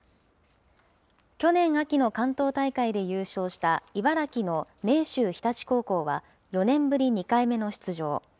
去年秋の関東大会で優勝した、茨城の明秀日立高校は４年ぶり２回目の出場。